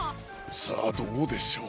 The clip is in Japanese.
さあどうでしょう？